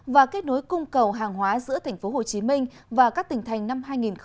và kết nối cung cầu hàng hóa giữa tp hcm và các tỉnh thành năm hai nghìn hai mươi